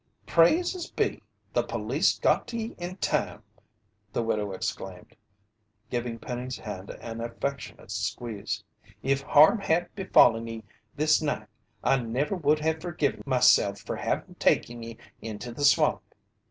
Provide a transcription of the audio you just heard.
"Praises be! The police got to ye in time!" the widow exclaimed, giving Penny's hand an affectionate squeeze. "If harm had befallen ye this night, I never would have fergiven myself fer having taken ye into the swamp."